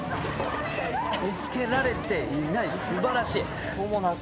見つけられていない素晴らしい。